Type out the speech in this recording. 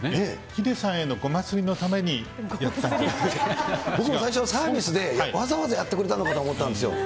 ヒデさんへのごますりのため僕も最初はサービスでわざわざやってくれたのかと思ったんですよ。